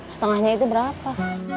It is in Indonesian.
setengahnya itu berapa